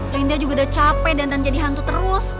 linda juga udah capek dan jadi hantu terus